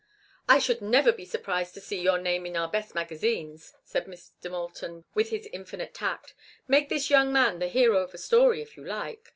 "I should never be surprised to see your name in our best magazines," said Mr. Moulton, with his infinite tact. "Make this young man the hero of a story if you like.